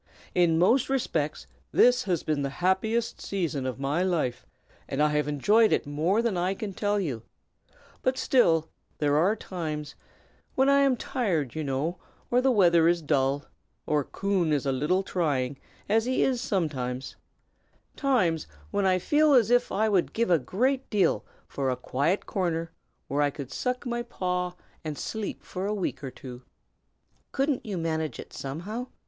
In most respects this has been the happiest season of my life, and I have enjoyed it more than I can tell you; but still there are times, when I am tired, you know, or the weather is dull, or Coon is a little trying, as he is sometimes, times when I feel as if I would give a great deal for a quiet corner where I could suck my paw and sleep for a week or two." "Couldn't you manage it, somehow?"